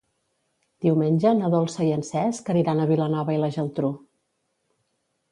Diumenge na Dolça i en Cesc aniran a Vilanova i la Geltrú.